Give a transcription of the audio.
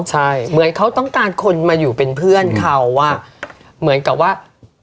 ใช่เหมือนเขาต้องการคนมาอยู่เป็นเพื่อนเขาอ่ะเหมือนกับว่า